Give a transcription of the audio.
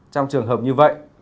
trong trường hợp như vậy